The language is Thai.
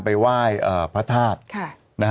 ไปไหว้พระธาตุ